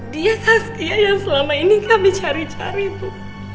dia saskia yang selama ini kami cari cari bu